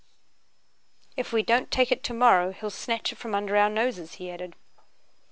"If we don't take it tomowwow, he'll snatch it fwom under our noses," he added.